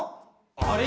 あれ？